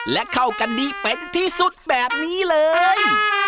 และเข้ากันดีเป็นที่สุดแบบนี้เลย